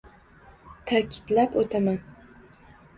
Ta’kidlab o‘taman